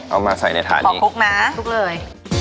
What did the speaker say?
เอามาใส่ในฐานขอคลุกนะคลุกเลย